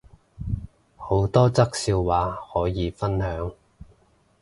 好多則笑話可以分享